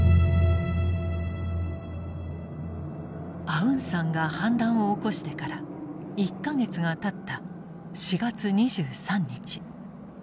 アウンサンが反乱を起こしてから１か月がたった４月２３日。